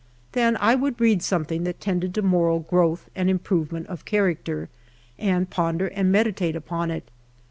Then I would read something that tended to moral growth and improvement of character, and ponder and meditate upon it.